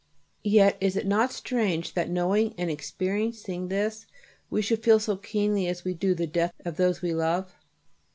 Yet is it not strange that knowing and experiencing this we should feel so keenly as we do the death of those we love?